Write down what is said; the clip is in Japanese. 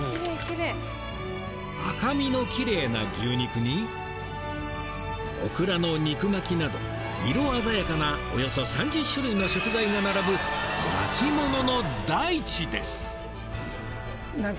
赤身のきれいな牛肉にオクラの肉巻きなど色鮮やかなおよそ３０種類の食材が並ぶ何かもう熱出たら頭にのせたいねあの肉。